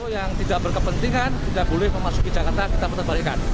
yang tidak berkepentingan tidak boleh memasuki jakarta kita pertembaikan